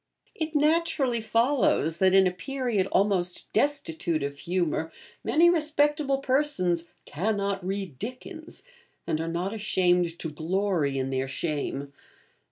It naturally follows that, in a period almost destitute of humour, many respectable persons 'cannot read Dickens,' and are not ashamed to glory in their shame.